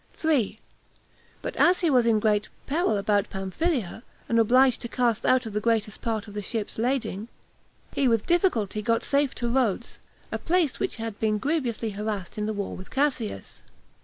3. But as he was in peril about Pamphylia, and obliged to cast out the greatest part of the ship's lading, he with difficulty got safe to Rhodes, a place which had been grievously harassed in the war with Cassius.